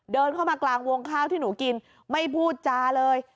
เดินเข้ามากลางวงข้าวที่หนูกินไม่พูดจาเลย